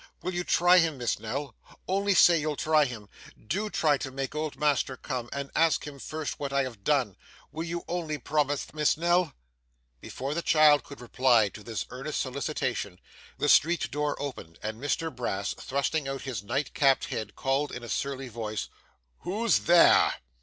Will you try him, Miss Nell? Only say you'll try him. Do try to make old master come, and ask him first what I have done. Will you only promise that, Miss Nell?' Before the child could reply to this earnest solicitation, the street door opened, and Mr Brass thrusting out his night capped head called in a surly voice, 'Who's there!